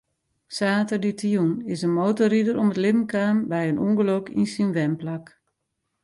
Saterdeitejûn is in motorrider om it libben kaam by in ûngelok yn syn wenplak.